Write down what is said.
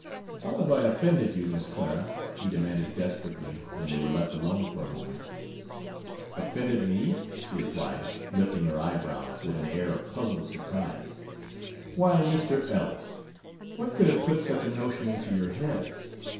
"How have I offended you, Miss Clara?" he demanded desperately, when they were left alone for a moment. "Offended me?" she replied, lifting her eyebrows with an air of puzzled surprise. "Why, Mr. Ellis! What could have put such a notion into your head?